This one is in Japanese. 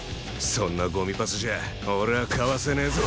そんなゴミパスじゃ俺はかわせねえぞ？